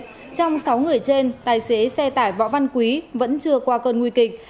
trong sáu người trên tài xế xe tải võ văn quý vẫn chưa qua cơn nguy kịch